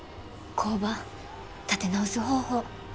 工場立て直す方法。